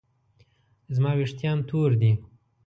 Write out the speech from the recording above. زما ویښتان تور دي